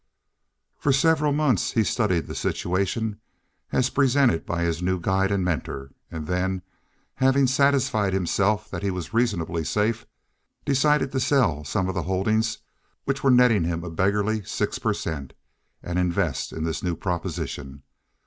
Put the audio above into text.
For several months he studied the situation as presented by his new guide and mentor, and then, having satisfied himself that he was reasonably safe, decided to sell some of the holdings which were netting him a beggarly six per cent, and invest in this new proposition.